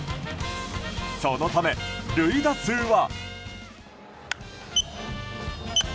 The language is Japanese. そのため、塁打数は。